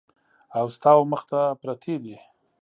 او ستا ومخ ته پرتې دي !